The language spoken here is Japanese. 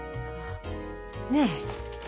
ねえ。